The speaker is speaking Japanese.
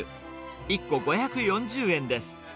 １個５４０円です。